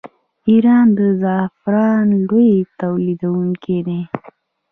ایران د زعفرانو لوی تولیدونکی دی.